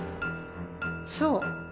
そう。